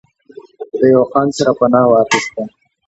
د يو خان سره پناه واخسته